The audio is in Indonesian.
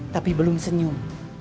tapi belum senyum